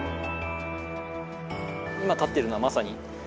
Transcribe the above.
今立ってるのはまさに。